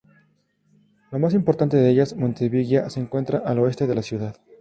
La más importante de ellas, Monte Vigía, se encuentra al oeste de la ciudad.